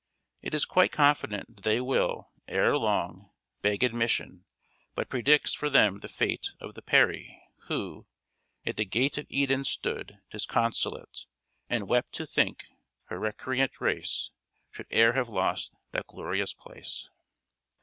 It is quite confident that they will, ere long, beg admission but predicts for them the fate of the Peri, who "At the gate Of Eden stood, disconsolate, And wept to think her recreant race Should e'er have lost that glorious place."